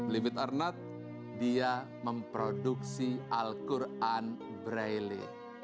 beli beli dia memproduksi al quran braille